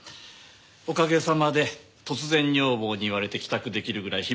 おかげさまで突然女房に言われて帰宅できるぐらい暇なんですよ